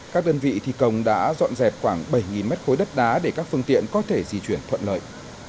các đơn vị thi công đã dọn dẹp khoảng bảy mét khối đất đá để các phương tiện có thể di chuyển thuận lợi